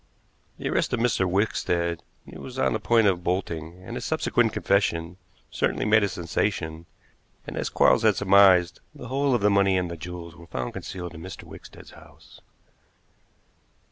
The arrest of Mr. Wickstead when he was on the point of bolting, and his subsequent confession, certainly made a sensation; and, as Quarles had surmised, the whole of the money and the jewels were found concealed in Mr. Wickstead's house.